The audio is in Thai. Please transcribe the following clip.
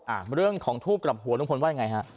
อ่ะเรื่องของทูบกลับหัวลุงพลว่ายังไงฮะ